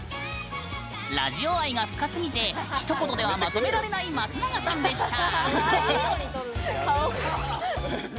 ラジオ愛が深すぎてひと言では、まとめられない松永さんでした。